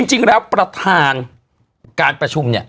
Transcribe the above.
จริงแล้วประธานการประชุมเนี่ย